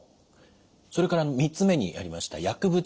それから３つ目にありました薬物治療。